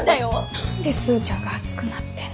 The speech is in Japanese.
何でスーちゃんが熱くなってんの。